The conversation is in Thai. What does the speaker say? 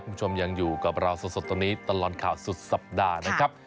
คุณผู้ชมยังอยู่กับเราสดตอนนี้ตลอดข่าวสุดสัปดาห์นะครับ